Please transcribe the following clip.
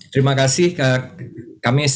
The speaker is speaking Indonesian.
terima kasih kami